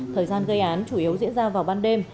thời gian gây án chủ yếu diễn ra vào ban đêm